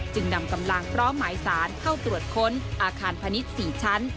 จึงนำกำลังพร้อมหมายสารเข้าตรวจค้นอาคารพาณิชย์๔ชั้น